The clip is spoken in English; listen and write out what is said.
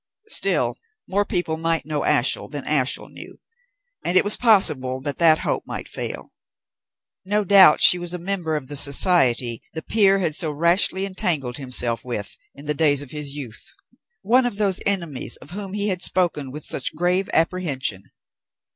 Still, more people might know Ashiel than Ashiel knew, and it was possible that that hope might fail. No doubt she was a member of the society the peer had so rashly entangled himself with in the days of his youth; one of those enemies of whom he had spoken with such grave apprehension.